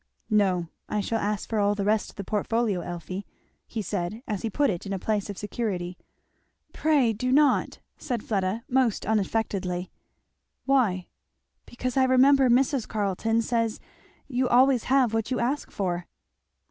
"No I shall ask for all the rest of the portfolio, Elfie," he said as he put it in a place of security. "Pray do not!" said Fleda most unaffectedly. "Why?" "Because I remember Mrs. Carleton says you always have what you ask for."